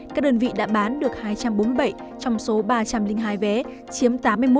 các đơn vị đã bán được hai trăm bốn mươi bảy trong số ba trăm linh hai vé chiếm tám mươi một